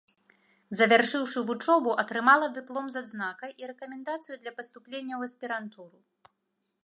Завяршыўшы вучобу, атрымала дыплом з адзнакай і рэкамендацыю для паступлення ў аспірантуру.